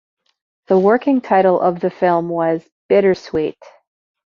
The working title of the film was "Bittersweet".